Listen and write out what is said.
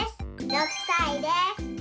６さいです。